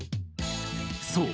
そう。